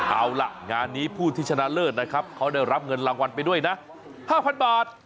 เอาล่ะงานนี้ผู้ที่ชนะเลิศนะครับเขาได้รับเงินรางวัลไปด้วยนะ๕๐๐บาท